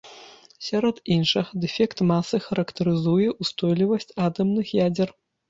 Сярод іншага, дэфект масы характарызуе ўстойлівасць атамных ядзер.